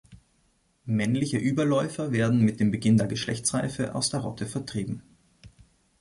Männliche Überläufer werden mit dem Beginn der Geschlechtsreife aus der Rotte vertrieben.